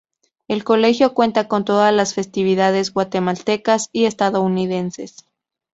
El colegio cuenta con todas las festividades guatemaltecas y estadounidenses.